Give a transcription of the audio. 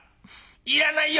いらないよ！」。